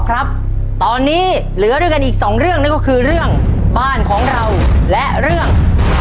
เรื่อง๒๔๙๙อันตรภัณฑ์ครองเมือง